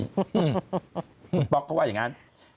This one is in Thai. พี่พี่พ์พ๊อกว่าระงั้น